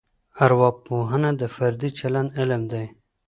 ارواپوهنه د فردي چلند علم دی.